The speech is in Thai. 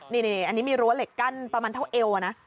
นี่อันนี้มีรั้วเหล็กกั้นประมาณเท่าเอวนะ